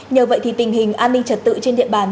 nhờ vậy tình hình an ninh trật tự trên địa bàn